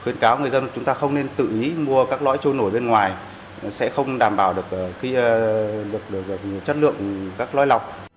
khuyến cáo người dân chúng ta không nên tự ý mua các lõi trôi nổi bên ngoài sẽ không đảm bảo được chất lượng các loại lọc